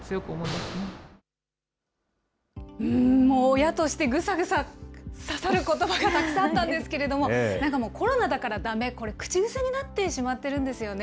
親として、ぐさぐさ刺さることばがたくさんあったんですけれども、なんかもう、コロナだからだめ、これ、口癖になってしまっているんですよね。